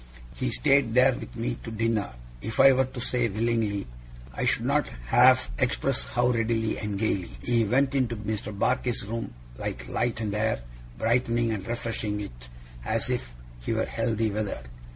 He stayed there with me to dinner if I were to say willingly, I should not half express how readily and gaily. He went into Mr. Barkis's room like light and air, brightening and refreshing it as if he were healthy weather.